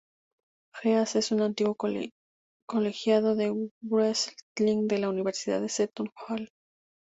Haas es un antiguo colegiado de wrestling de la Universidad Seton Hall.